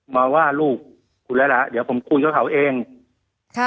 มาว่าลูกคุณแล้วล่ะเดี๋ยวผมคุยกับเขาเองค่ะ